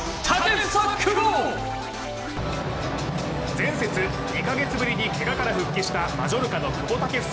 前節２カ月ぶりにけがから復帰したマジョルカの久保建英。